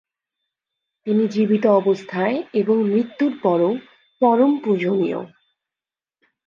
তিনি জীবিত অবস্থায় এবং মৃত্যুর পরও পরম পূজনীয়।